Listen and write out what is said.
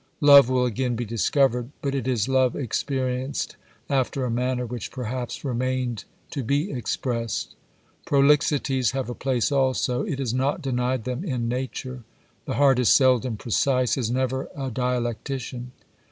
Love will again be discovered, but it is love experienced after a manner which perhaps remained to be expressed. Prolixities have a place also ; it is not denied them in Nature. The heart is seldom precise, is never a dialectician.